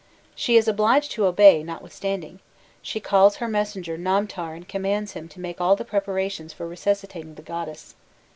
'"* She is obliged to obey, notwithstanding; she calls her messenger Namtar and commands him to make all the preparations for resuscitating the goddess.